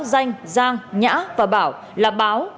danh giang nhã và bảo là báo